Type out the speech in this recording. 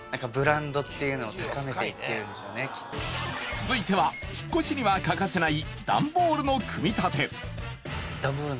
続いては引越しには欠かせない